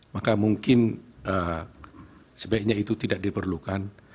maka mungkin sebaiknya itu tidak diperlukan